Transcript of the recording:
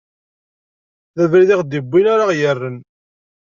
D abrid i ɣ-d-iwwin ara ɣ-irren.